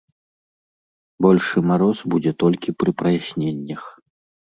Большы мароз будзе толькі пры праясненнях.